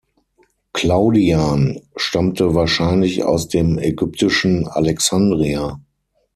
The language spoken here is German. Claudian stammte wahrscheinlich aus dem ägyptischen Alexandria.